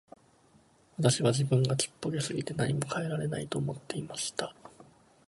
私は自分がちっぽけすぎて何も変えられないと思っていました。